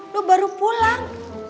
lu baru pulang